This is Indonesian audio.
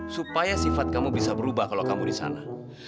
supaya sifat kamu bisa berubah kalau kamu di sana